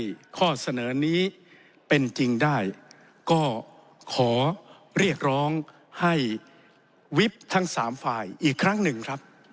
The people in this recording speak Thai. ข้อเสนอนี้เป็นจริงได้ก็ขอเรียกร้องให้วิบทั้งสามฝ่ายอีกครั้งหนึ่งครับ